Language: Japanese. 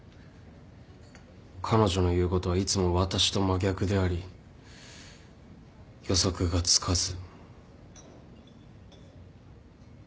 彼女の言うことはいつも私と真逆であり予測がつかず。